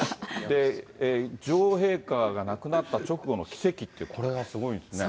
女王陛下が亡くなった直後の奇跡ってこれがすごいですね。